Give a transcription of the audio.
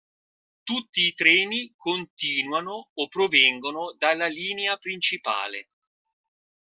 Tutti i treni continuano o provengono dalla linea principale.